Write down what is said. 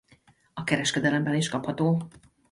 A kereskedelemben is kapható.